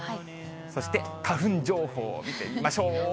そして花粉情報見てみましょう。